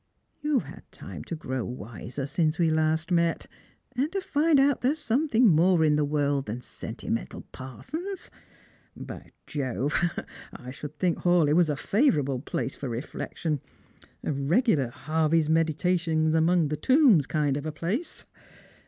You've had time to grow wiser since we last met, and to find out that there's something more in the world than sentimental parsons. By Jove, I should think Hawleigh was a favourable place for reflection ; a regular Hervey*s Meditations araong the Tombs kind of a place.